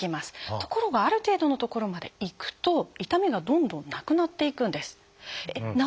ところがある程度のところまでいくと痛みがどんどんなくなっていくんです。